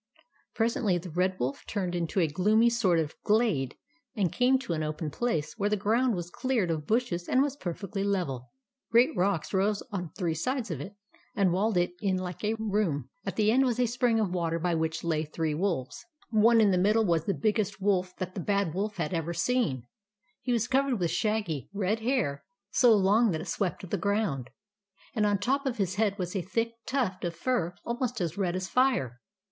Presently the Red Wolf turned into a gloomy sort of glade, and came to an open place where the ground was cleared of bushes and was perfectly level. ' Great rocks rose on three sides of it, and walled it in like a room. At the end was a spring of water, by which lay three wolves. The 146 THE ADVENTURES OF MABEL one in the middle was the biggest wolf that the Bad Wolf had ever seen. He was cov ered with shaggy, red hair, so long that it swept the ground, and on the top of his head was a thick tuft of fur almost as red as fire.